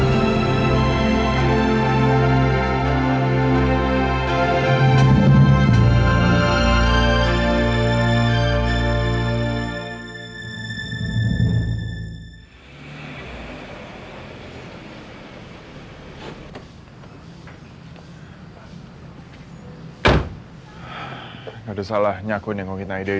gak ada salahnya aku ini ngukin aida disini